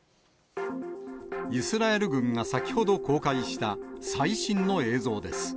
イスラエル軍が先ほど公開した最新の映像です。